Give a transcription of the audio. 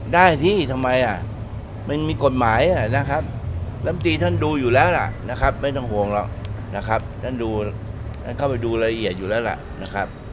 ได้ที่ทำไมมันมีกฎหมายนะครับลำตีท่านดูอยู่แล้วล่ะนะครับไม่ต้องห่วงหรอกนะครับท่านดูท่านเข้าไปดูรายละเอียดอยู่แล้วล่ะนะครับ